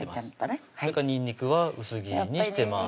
それからにんにくは薄切りにしてます